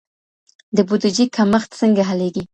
د بودیجي کمښت څنګه حلیږي؟